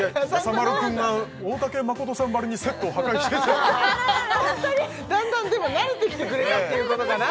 丸くんが大竹まことさんばりにセットを破壊しててだんだんでも慣れてきてくれたってことかな？